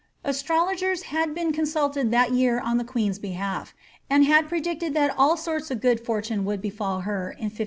Astndcigers had been consulted that year on the queen's behalf^ and bid predicted that all sorts of good fortune would befell her in 1503.